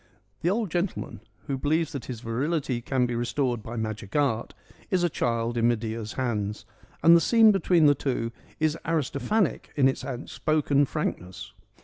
The old gentleman, who believes that his virility can be restored by magic art, is a child in Medea's hands, and the scene between the two is Aristophanic in its outspoken frankness.